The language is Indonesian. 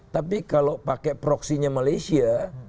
tapi kalau pakai proksinya malaysia